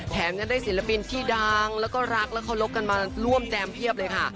ยังได้ศิลปินที่ดังแล้วก็รักและเคารพกันมาร่วมแจมเพียบเลยค่ะ